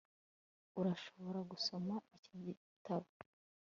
urashobora gusoma iki gitabo